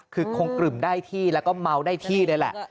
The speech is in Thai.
คือคงกลึ่มได้ที่แล้วก็เมาได้ที่นี่แหละ